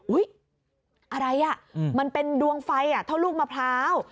อะไรอ่ะมันเป็นดวงไฟเท่าลูกมะพร้าว